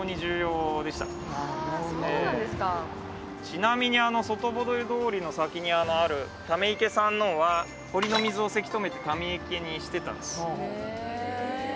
ちなみにあの外堀通りの先にある溜池山王は堀の水をせき止めて溜池にしてたんです。